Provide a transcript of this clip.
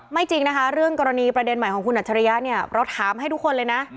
จริงนะคะเรื่องกรณีประเด็นใหม่ของคุณอัจฉริยะเนี่ยเราถามให้ทุกคนเลยนะ